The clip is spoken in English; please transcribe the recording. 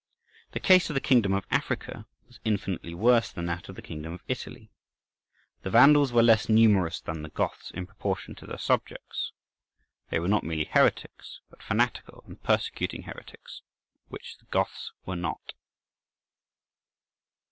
The case of the kingdom of Africa was infinitely worse than that of the kingdom of Italy. The Vandals were less numerous than the Goths, in proportion to their subjects; they were not merely heretics, but fanatical and persecuting heretics, which the Goths were not.